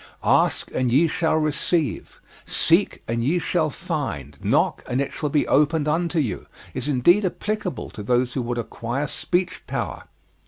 "Ask and ye shall receive; seek and ye shall find; knock and it shall be opened unto you," is indeed applicable to those who would acquire speech power.